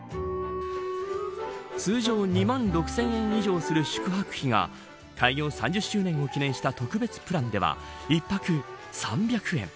通常、２万６０００円以上する宿泊費が開業３０周年を記念した特別プランでは１泊３００円。